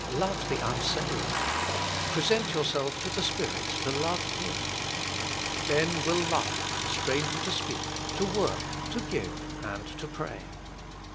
Love the unsaved. Present yourself to the Spirit to love Him. Then will love constrain you to speak, to work, to give, HOW IT MAY BE INCREASED 117 and to pray.